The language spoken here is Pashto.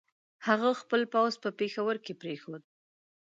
هغه خپل پوځ په پېښور کې پرېښود.